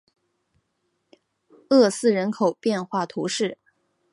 厄斯人口变化图示